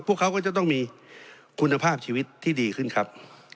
พวกเขาก็จะต้องมีคุณภาพชีวิตที่ดีขึ้นครับ